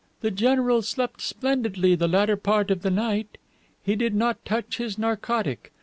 The general slept splendidly the latter part of the night. He did not touch his narcotic.